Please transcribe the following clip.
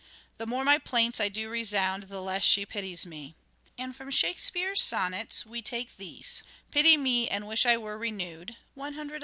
" The more my plaints I do resound The less she pities me." And from Shakespeare's sonnets we take these :—" Pity me and wish I were renewed " (in).